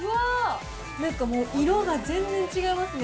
なんかもう、色が全然違いますね。